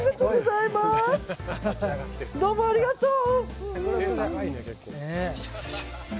どうもありがとう。